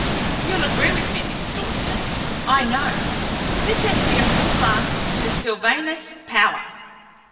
You'll agree with me, Miss Dalstan, I know. Let's empty a full glass to Sylvanus Power!"